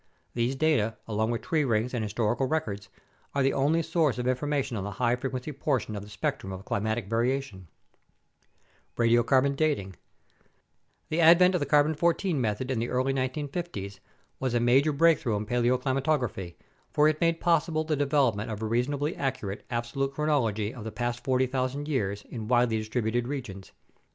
These data, along with tree rings and historical records, are the only source of information on the high frequency portion of the spectrum of climatic variation. Radiocarbon Dating The advent of the 14 C method in the early 1950's was a major breakthrough in paleoclimatography, for it made possible the development of a reasonably accurate absolute chronology of the ; 142 UNDERSTANDING CLIMATIC CHANGE past 40,000 years in widely distributed regions.